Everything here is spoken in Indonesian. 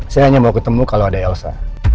saya hanya mau ketemu kalau ada elsa